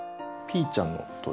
ピーちゃん。